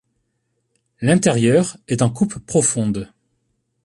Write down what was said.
L’intérieur est en coupe profonde.